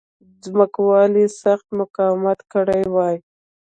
ځمکوالو سخت مقاومت کړی وای.